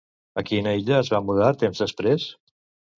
A quina illa es va mudar temps després?